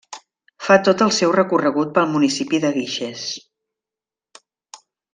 Fa tot el seu recorregut pel municipi de Guixers.